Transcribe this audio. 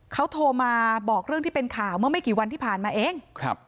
เขาโทรมาบอกเรื่องที่เป็นข่าวเมื่อไม่กี่วันที่ผ่านมาเอง